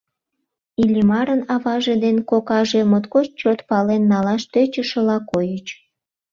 Иллимарын аваже ден кокаже моткоч чот пален налаш тӧчышыла койыч.